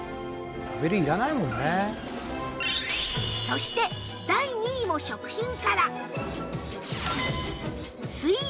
そして第２位も食品から